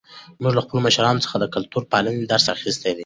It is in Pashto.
موږ له خپلو مشرانو څخه د کلتور پالنې درس اخیستی دی.